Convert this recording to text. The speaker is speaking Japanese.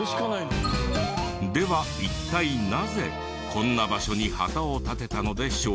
では一体なぜこんな場所に旗を立てたのでしょうか？